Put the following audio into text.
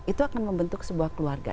itu akan membentuk sebuah keluarga